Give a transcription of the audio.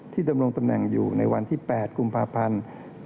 ดำรงตำแหน่งอยู่ในวันที่๘กุมภาพันธ์